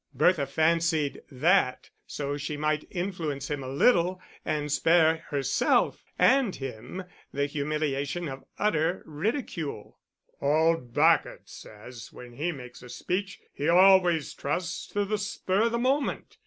Bertha fancied that so she might influence him a little and spare herself and him the humiliation of utter ridicule. "Old Bacot says when he makes a speech, he always trusts to the spur of the moment.